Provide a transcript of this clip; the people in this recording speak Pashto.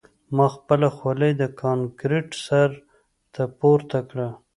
ما خپله خولۍ د کانکریټ سر ته پورته کړه